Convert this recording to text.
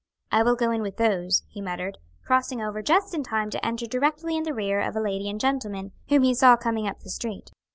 "I will go in with those," he muttered, crossing over just in time to enter directly in the rear of a lady and gentleman, whom he saw coming up the street.